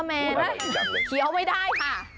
จึงเชื่อว่าไม่ได้